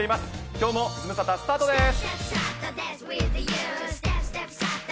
きょうもズムサタスタートです。